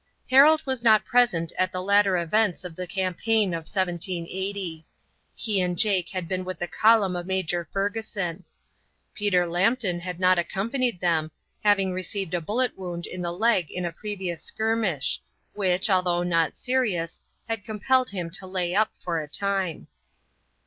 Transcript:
Harold was not present at the later events of the campaign of 1780. He and Jake had been with the column of Major Fergusson. Peter Lambton had not accompanied him, having received a bullet wound in the leg in a previous skirmish, which, although not serious, had compelled him to lay up for a time.